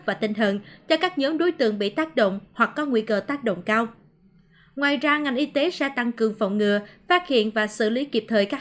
và tinh thần cho các nhóm đối tượng bị tác động hoặc có nguy cơ tác động cao